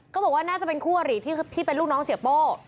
บอกว่าน่าจะเป็นคู่อริที่เป็นลูกน้องเสียโป้